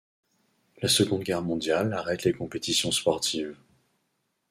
La Seconde Guerre mondiale arrête les compétitions sportives.